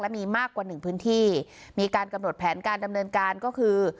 มีมากกว่าหนึ่งพื้นที่มีการกำหนดแผนการดำเนินการก็คือ